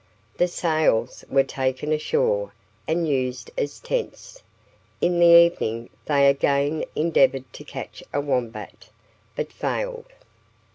The sails were taken ashore and used as tents. In the evening they again endeavoured to catch a wombat, but failed.